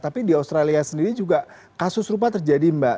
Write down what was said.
tapi di australia sendiri juga kasus rupa terjadi mbak